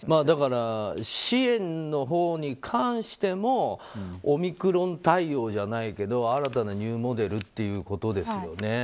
だから支援のほうに関してもオミクロン対応じゃないけど新たなニューモデルということですよね。